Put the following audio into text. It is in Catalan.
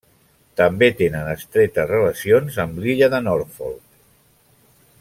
També tenen estretes relacions amb l'illa de Norfolk.